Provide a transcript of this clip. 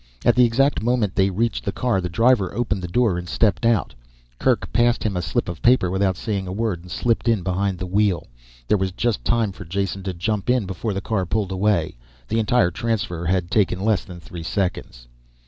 At the exact moment they reached the car the driver opened the door and stepped out. Kerk passed him a slip of paper without saying a word and slipped in behind the wheel. There was just time for Jason to jump in before the car pulled away. The entire transfer had taken less than three seconds.